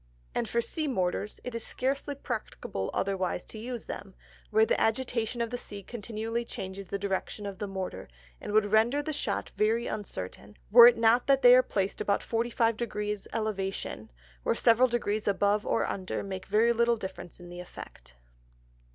And for Sea Mortars, it is scarce practicable otherwise to use them, where the agitation of the Sea continually changes the Direction of the Mortar, and would render the Shot very uncertain, were it not that they are placed about 45 Degrees Elevation, where several Degrees above or under, make very little difference in the Effect.